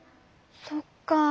そっか。